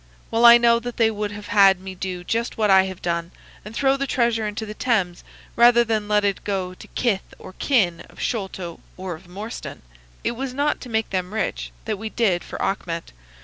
Well I know that they would have had me do just what I have done, and throw the treasure into the Thames rather than let it go to kith or kin of Sholto or of Morstan. It was not to make them rich that we did for Achmet.